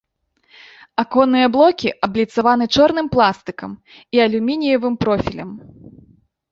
Аконныя блокі абліцаваны чорным пластыкам і алюмініевым профілем.